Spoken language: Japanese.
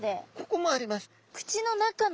ここもあります。